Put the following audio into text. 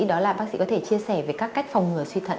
đó là bác sĩ có thể chia sẻ về các cách phòng ngừa suy thận